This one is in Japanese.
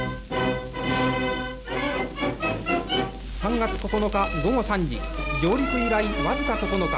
３月９日午後３時、上陸以来僅か９日。